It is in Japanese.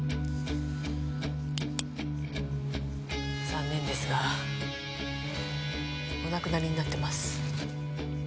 残念ですがお亡くなりになってます。